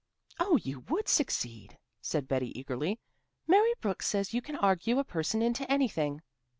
"Oh, you would succeed," said Betty eagerly. "Mary Brooks says you can argue a person into anything."